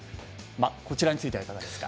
こちらについてはいかがですか？